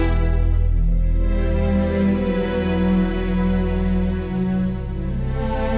jazakallah belum siap hari lain saya